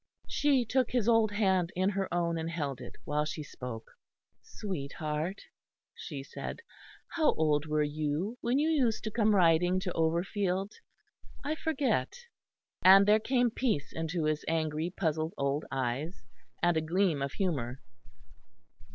She took his old hand in her own and held it while she spoke. "Sweetheart," she said, "how old were you when you used to come riding to Overfield? I forget." And there came peace into his angry, puzzled old eyes, and a gleam of humour.